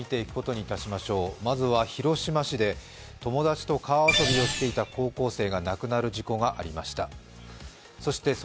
まずは、広島市で友達と川遊びをしていた高校生が亡くなる事故がありました。